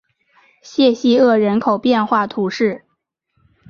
谢西厄人口变化图示